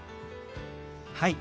はい！